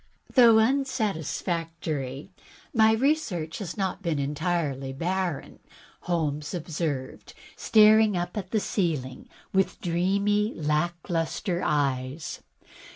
"Though unsatisfactory, my research has not been entirely barren," Holmes observed, staring up at the ceiling with dreamy, lack lustre eyes.